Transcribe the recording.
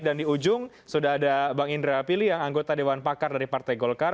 dan di ujung sudah ada bang indra pilih yang anggota dewan pakar dari partai golkar